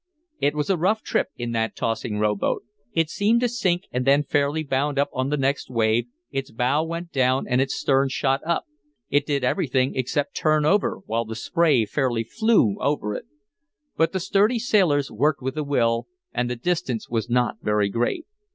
It was a rough trip in that tossing rowboat. It seemed to sink and then fairly bound up on the next wave, its bow went down and its stern shot up. It did everything except turn over, while the spray fairly flew over it. But the sturdy sailors worked with a will, and the distance was not very great.